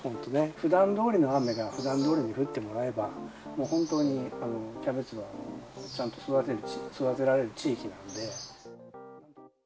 ふだんどおりの雨がふだんどおりに降ってもらえば、本当にキャベツはちゃんと育てられる地域なので。